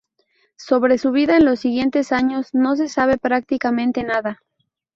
Sobre su vida en los siguientes años no se sabe prácticamente nada.